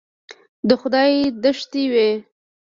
د خدای دښتې وې.